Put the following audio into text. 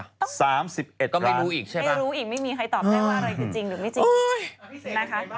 ๓๑ก็ไม่รู้อีกใช่ไหมไม่รู้อีกไม่มีใครตอบได้ว่าอะไรคือจริงหรือไม่จริงนะคะ